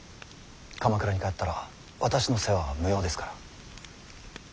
鎌倉に帰ったら私の世話は無用ですから。